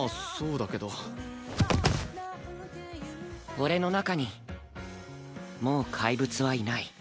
俺の中にもうかいぶつはいない。